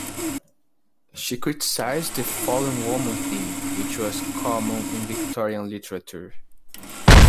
She criticized the "fallen woman" theme, which was common in Victorian literature.